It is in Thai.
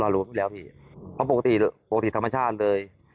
เรารู้ไม่ได้แล้วพี่เพราะปกติธรรมชาติเลย